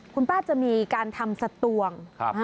คุณป้าจะมีการทำสตวง